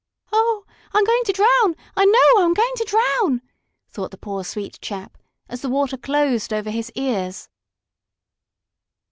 "Oh, I'm going to drown! I know I'm going to drown!" thought the poor sweet chap, as the water closed over his ears.